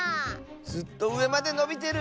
ずっとうえまでのびてる！